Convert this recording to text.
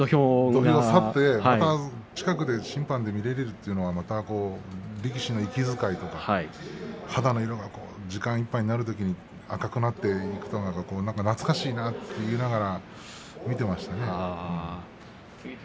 土俵を去ってまた近くで審判として見られる力士の息遣いや肌の色時間いっぱいになると肌が赤くなるのを見て、懐かしいなと思いながら見ていました。